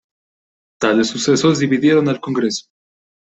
Tales sucesos dividieron al Congreso.